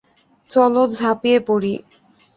চলো ঝাপিয়ে পড়ি।